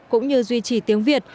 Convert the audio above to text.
cũng như duy trì tiếng việt